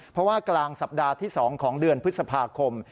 เพราะว่ากลางสัปดาห์ที่๒ของเดือนพฤษภาคม